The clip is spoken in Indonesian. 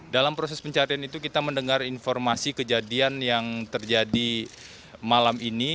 dalam proses pencarian itu kita mendengar informasi kejadian yang terjadi malam ini